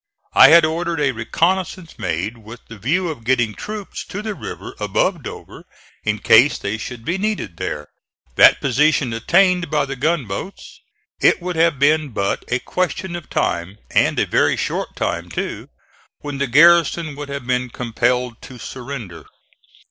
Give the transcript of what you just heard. I had ordered a reconnoissance made with the view of getting troops to the river above Dover in case they should be needed there. That position attained by the gunboats it would have been but a question of time and a very short time, too when the garrison would have been compelled to surrender.